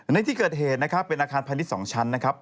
ในที่เกิดเหตุนะครับเป็นอาคารพาณิชย์๒ชั้นนะครับ